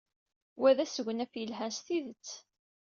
Wa d asegnaf yelhan s tidet.